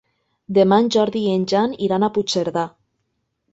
Demà en Jordi i en Jan iran a Puigcerdà.